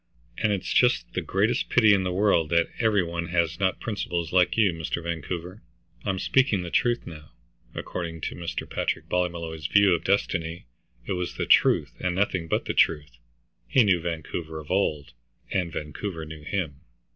"And it's just the greatest pity in the world that every one has not principles like you, Mr. Vancouver. I'm speaking the truth now." According to Mr. Patrick Ballymolloy's view of destiny, it was the truth and nothing but the truth. He knew Vancouver of old, and Vancouver knew him.